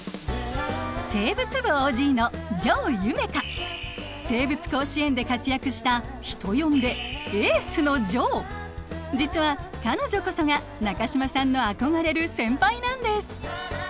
生物部ＯＧの生物甲子園で活躍した人呼んで「エースのジョー」。実は彼女こそが中島さんの憧れる先輩なんです。